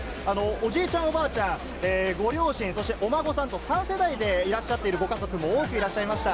おじいちゃん、おばあちゃん、ご両親、そしてお孫さんと３世代でいらっしゃってるご家族も多くいらっしゃいました。